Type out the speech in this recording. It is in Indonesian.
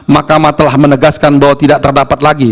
mahkamah telah menegaskan bahwa tidak terdapat lagi